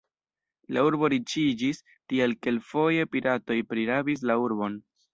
La urbo riĉiĝis, tial kelkfoje piratoj prirabis la urbon.